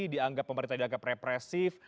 dianggap pemerintah dianggap represif